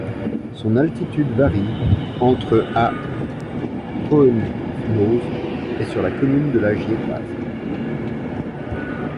Son altitude varie entre à Cohennoz et sur la commune de La Giettaz.